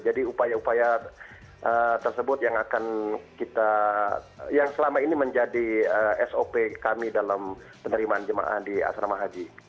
jadi upaya upaya tersebut yang akan kita yang selama ini menjadi sop kami dalam kesehatan